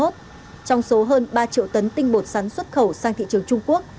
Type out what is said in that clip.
trong số hơn ba triệu tấn tinh bột sắn xuất khẩu sang thị trường trung quốc